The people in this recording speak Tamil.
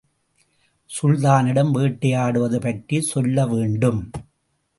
சுல்தானிடம் வேட்டையாடுவது பற்றி சொல்ல வேண்டும்!